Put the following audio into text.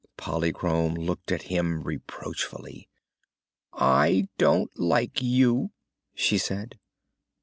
Polychrome looked at him reproachfully. "I don't like you," she said.